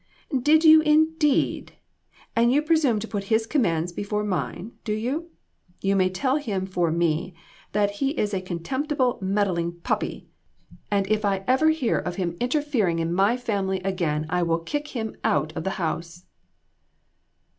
" Did you, indeed ! And you presume to put his commands before mine, do you? You may tell him for me that he is a contemptible meddling puppy, and if ever I hear of his interfering in INTRICACIES. 291 my family again I will kick him out of the house."